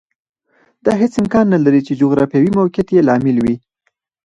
دا هېڅ امکان نه لري چې جغرافیوي موقعیت یې لامل وي